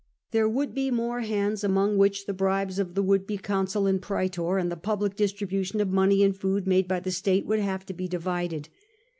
There would be more hands among which the bribes of the would be consul and praetor, and the public distribution of money and food made by the state, would have to be divided.